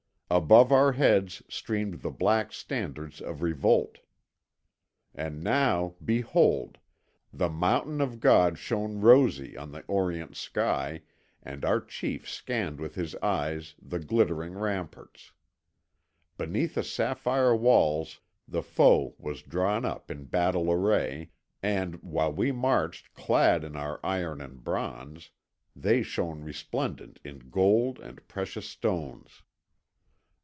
Above our heads streamed the black standards of revolt. And now, behold, the Mountain of God shone rosy in the orient sky and our chief scanned with his eyes the glittering ramparts. Beneath the sapphire walls the foe was drawn up in battle array, and, while we marched clad in our iron and bronze, they shone resplendent in gold and precious stones.